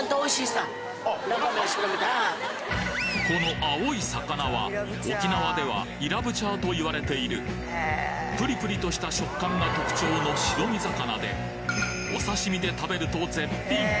この青い魚は沖縄ではと言われているプリプリとした食感が特徴の白身魚でお刺身で食べると絶品！